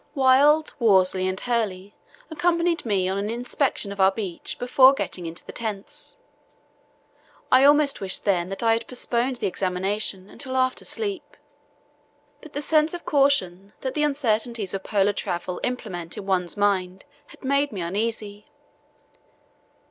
Wild, Worsley, and Hurley accompanied me on an inspection of our beach before getting into the tents. I almost wished then that I had postponed the examination until after sleep, but the sense of caution that the uncertainties of polar travel implant in one's mind had made me uneasy.